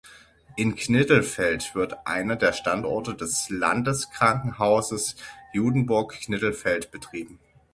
In Knittelfeld wird einer der Standorte des Landeskrankenhauses Judenburg-Knittelfeld betrieben.